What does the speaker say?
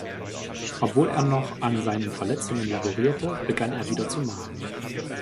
Obwohl er noch an seinen Verletzungen laborierte, begann er wieder zu malen.